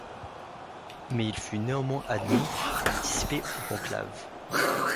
Mais il fut néanmoins admis à participer au conclave.